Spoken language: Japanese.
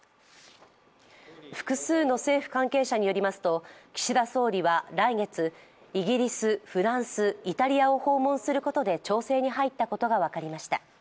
複数の政府関係者によりますと岸田総理は来月、イギリス、フランス、イタリアを訪問することで調整に入ったことが分かりました。